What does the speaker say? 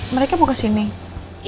mereka mau kesini